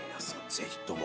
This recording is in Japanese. ぜひとも。